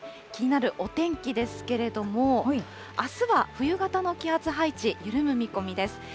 気になるお天気ですけれども、あすは冬型の気圧配置、緩む見込みです。